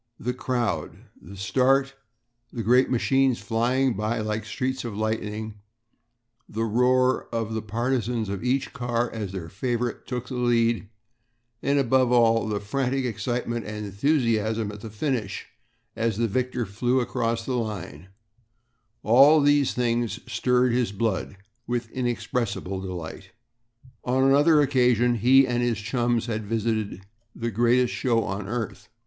The crowd the start the great machines flying by like streaks of lightning the roar of the partisans of each car as their favorite took the lead, and above all the frantic excitement and enthusiasm at the finish as the victor flew across the line all these things stirred his blood with inexpressible delight. On another occasion he and his chums had visited the "Greatest Show on Earth."